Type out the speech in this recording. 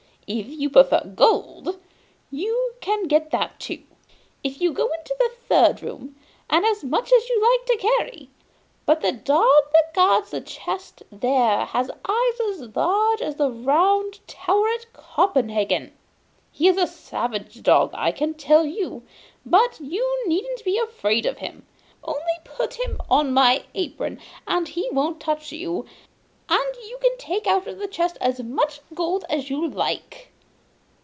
If you prefer gold, you can get that too, if you go into the third room, and as much as you like to carry. But the dog that guards the chest there has eyes as large as the Round Tower at Copenhagen! He is a savage dog, I can tell you; but you needn't be afraid of him either. Only, put him on my apron and he won't touch you, and you can take out of the chest as much gold as you like!